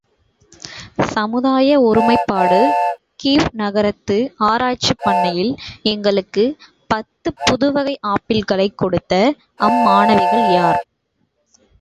சமுதாய ஒருமைப்பாடு கீவ் நகரத்து ஆராய்ச்சிப் பண்ணையில் எங்களுக்குப் பத்துப் புதுவகை ஆப்பிள்களைக் கொடுத்த அம்மாணவிகள் யார்?